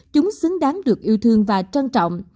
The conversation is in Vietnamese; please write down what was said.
chúng xứng đáng được yêu thương và trân trọng